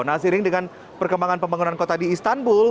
nah seiring dengan perkembangan pembangunan kota di istanbul